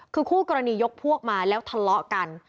คือคู่กรณียกพวกมาแล้วทะเลาะกัน